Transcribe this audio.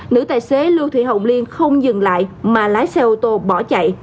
nữ tài xế lưu thị hồng liên không dừng lại mà lái xe ô tô bỏ chạy